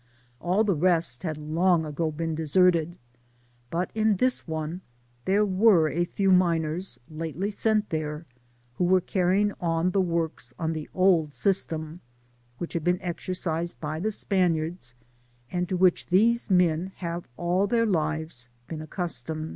All the rest had long ago been deserted, but in this one there were a few miners, lately sent there, who were carrying on the works on the old system which had been exercised by the Spaniards, and to which these men have all their lives been accustomed.